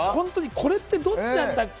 これってどっちなんだっけ？